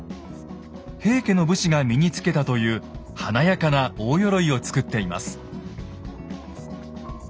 平家の武士が身につけたという華やかな大鎧を作っています。